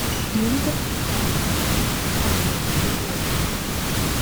The university campus has six hostels for boys.